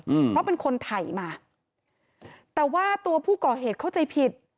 อืมเพราะเป็นคนถ่ายมาแต่ว่าตัวผู้ก่อเหตุเข้าใจผิด